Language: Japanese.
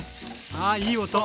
あいい音。